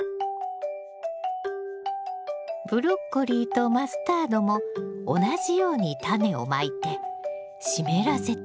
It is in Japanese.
ブロッコリーとマスタードも同じようにタネをまいて湿らせて。